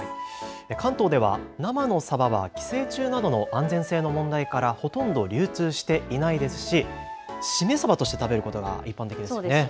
関東では生のサバは寄生虫などの安全性の問題からほとんど流通していないですしシメサバとして食べることが一般的ですよね。